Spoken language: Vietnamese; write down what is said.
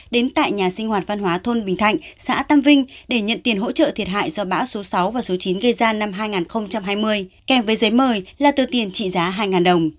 đến tại nhà sinh hoạt văn hóa thôn bình thạnh xã tam vinh để nhận tiền hỗ trợ thiệt hại do bão số sáu và số chín gây ra năm hai nghìn hai mươi kèm với giấy mời là tờ tiền trị giá hai đồng